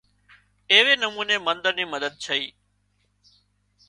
ايوي نموني منۮر ني مدد ڇئي